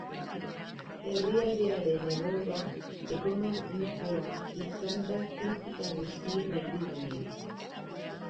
Herrialdearen egoera ekonomikoa izan da kritika guztien erdigune.